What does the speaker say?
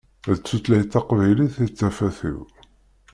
D tutlayt taqbaylit i d tafat-iw.